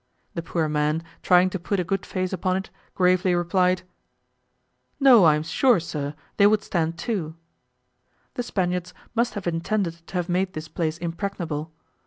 The poor man, trying to put a good face upon it, gravely replied, "No, I am sure, sir, they would stand two!" The Spaniards must have intended to have made this place impregnable.